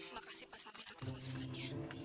makasih pak samit atas masukan ya